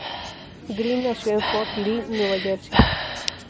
Green nació en Fort Lee, New Jersey.